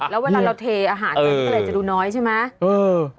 แล้วเวลาเราเทอาหารกันก็เลยจะดูน้อยใช่ไหม